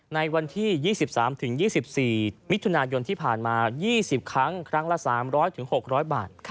ในวันที่๒๓๒๔มิถุนายนที่ผ่านมา๒๐ครั้งครั้งละ๓๐๐๖๐๐บาท